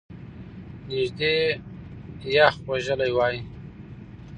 نژدې یخ وژلی وای !